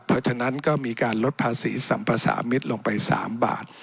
เพราะฉะนั้นก็มีการลดภาษีสัมภาษามิตรลงไป๓บาท